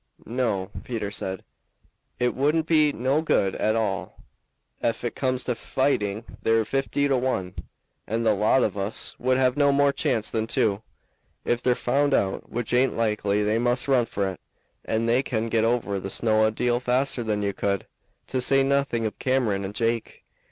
"No," Peter said. "It wouldn't be no good at all. Ef it comes to fighting they're fifty to one, and the lot of us would have no more chance than two. If they're found out, which aint likely, they must run for it, and they can get over the snow a deal faster than you could, to say nothing of Cameron and Jake.